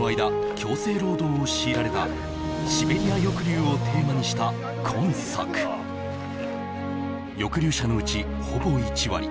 強制労働を強いられたシベリア抑留をテーマにした今作抑留者のうちほぼ１割